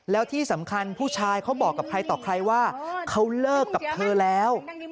แล้วที่สำคัญผู้ชายเขาบอกกับใครต่อใครว่าเขาเลิกกับเธอแล้ว